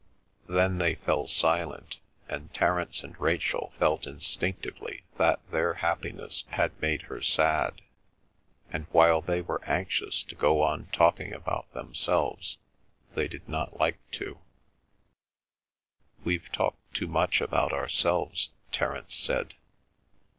Then they fell silent, and Terence and Rachel felt instinctively that their happiness had made her sad, and, while they were anxious to go on talking about themselves, they did not like to. "We've talked too much about ourselves," Terence said.